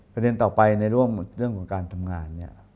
ประเด็นต่อไปในร่วมเรื่องของการทำงานเนี่ย